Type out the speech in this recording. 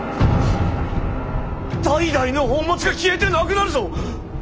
代々の宝物が消えてなくなるぞ！